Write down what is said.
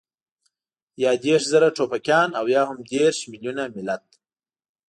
يا دېرش زره ټوپکيان او يا هم دېرش مېليونه ملت.